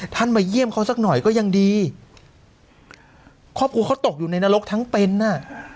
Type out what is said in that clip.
มาเยี่ยมเขาสักหน่อยก็ยังดีครอบครัวเขาตกอยู่ในนรกทั้งเป็นอ่ะ